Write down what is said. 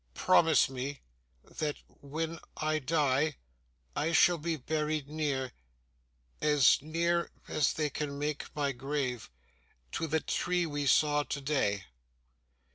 'Promise me that when I die, I shall be buried near as near as they can make my grave to the tree we saw today.